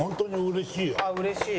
うれしい？